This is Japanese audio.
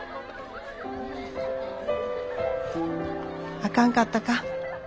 あかんかったか。